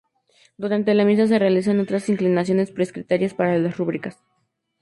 Durante la Misa, se realizan otras inclinaciones prescritas por las rúbricas.